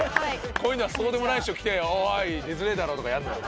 こういうのはそうでもない人来ておーい出づれえだろとかやんのよ。